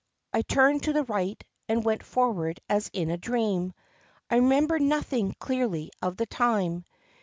I turned to the right and went forward as in a dream. I remember nothing clearly of the time.